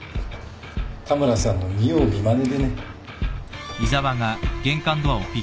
田村さんの見よう見まねでね。